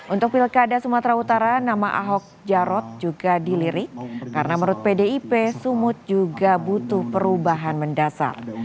untuk pilkada sumatera utara nama ahok jarot juga dilirik karena menurut pdip sumut juga butuh perubahan mendasar